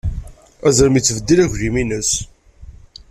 Azrem yettbeddil aglim-nnes.